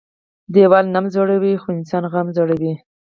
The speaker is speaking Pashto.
ديوال نم زړوى خو انسان غم زړوى.